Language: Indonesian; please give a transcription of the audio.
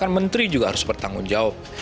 menteri juga harus bertanggung jawab